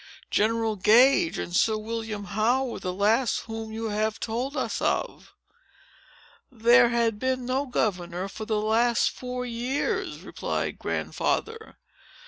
"General Gage and Sir William Howe were the last whom you have told us of." "There had been no governor for the last four years," replied Grandfather.